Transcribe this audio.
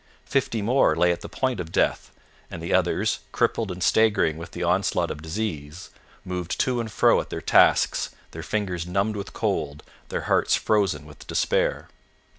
Fifty more lay at the point of death, and the others, crippled and staggering with the onslaught of disease, moved to and fro at their tasks, their fingers numbed with cold, their hearts frozen with despair.